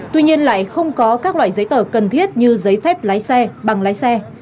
tuy nhiên lại không có các loại giấy tờ cần thiết như giấy phép lái xe bằng lái xe